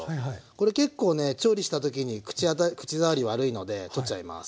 これ結構ね調理した時に口当たり口触り悪いので取っちゃいます。